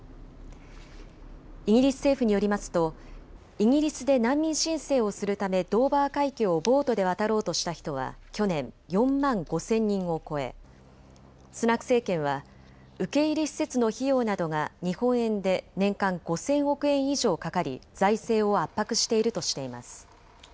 イギリス政府によりますとイギリスで難民申請をするためドーバー海峡をボートで渡ろうとした人は去年、４万５０００人を超えスナク政権は受け入れ施設の費用などが日本円で年間５０００億円以上かかり財政を圧迫しているとしています。